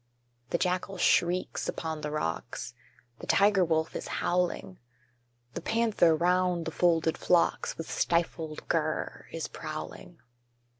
The jackal shrieks upon the rocks, The tiger wolf is howling, The panther round the folded flocks With stifled gurr is prowling.